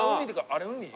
あれ海？